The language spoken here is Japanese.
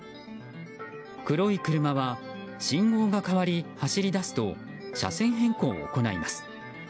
黒い車は信号が変わり走り出すと車線変更を行います。